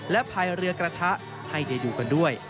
และภายเรือกระทะให้ได้ดูกันด้วย